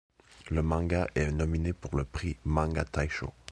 Le manga est nominé pour le prix Manga Taishō.